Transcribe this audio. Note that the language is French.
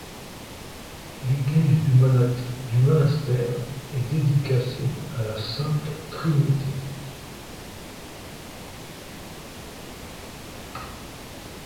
L'église du monastère est dédicacée à la Sainte-Trinité.